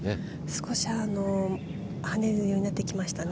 少し、はねるようになってきましたね